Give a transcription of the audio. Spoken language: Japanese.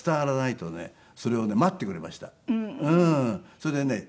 それでね